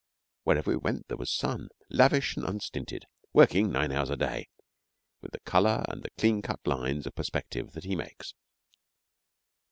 Wherever we went there was the sun, lavish and unstinted, working nine hours a day, with the colour and the clean cut lines of perspective that he makes.